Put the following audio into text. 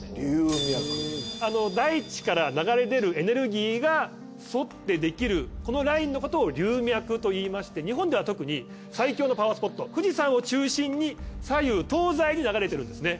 大地から流れ出るエネルギーが沿ってできるこのラインのことを龍脈といいまして日本では特に最強のパワースポット富士山を中心に左右東西に流れてるんですね。